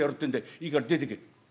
いいから出てけ」。